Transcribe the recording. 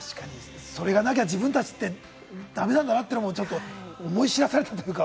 それがなきゃ、自分たちで駄目なんだなって、ちょっと思い知らされたというか。